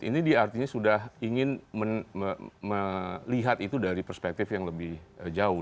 ini artinya sudah ingin melihat itu dari perspektif yang lebih jauh